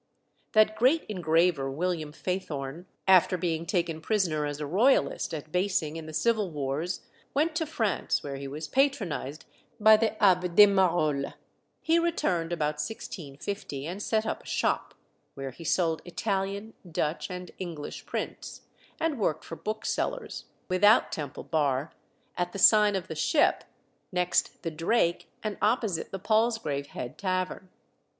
That great engraver, William Faithorne, after being taken prisoner as a Royalist at Basing in the Civil Wars, went to France, where he was patronised by the Abbé de Marolles. He returned about 1650, and set up a shop where he sold Italian, Dutch, and English prints, and worked for booksellers without Temple Bar, at the sign of the Ship, next the Drake and opposite the Palsgrave Head Tavern.